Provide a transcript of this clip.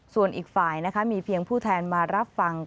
ส่วนอีกฝ่ายนะคะมีเพียงผู้แทนมารับฟัง